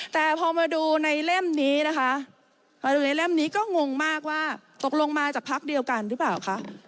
แต่พอมาดูในเล่มนี้นะคะมาดูในเล่มนี้ก็งงมากว่าตกลงมาจากพักเดียวกันหรือเปล่าคะ